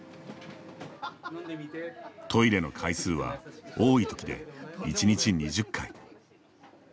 トイレの回数は多いときで１日２０回。